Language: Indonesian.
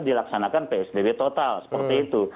dilaksanakan psbb total seperti itu